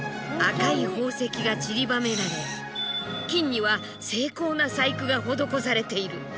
赤い宝石がちりばめられ金には精巧な細工が施されている。